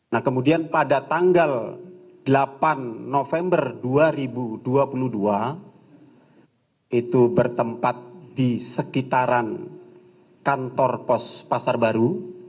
nah kemudian pada tanggal delapan november dua ribu dua puluh dua itu bertempat di sekitaran kantor pos pasar baru